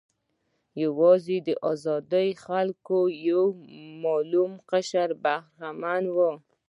یوازې د آزادو خلکو یو معلوم قشر برخمن و.